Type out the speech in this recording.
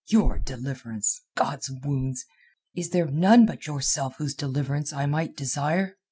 Your deliverance! God's wounds! Is there none but yourself whose deliverance I might desire?